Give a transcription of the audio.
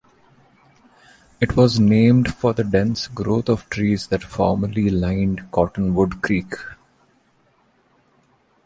It was named for the dense growth of trees that formerly lined Cottonwood Creek.